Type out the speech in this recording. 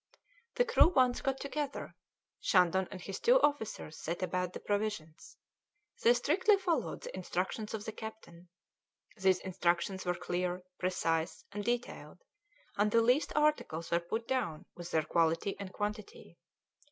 The crew once got together, Shandon and his two officers set about the provisions; they strictly followed the instructions of the captain; these instructions were clear, precise, and detailed, and the least articles were put down with their quality and quantity.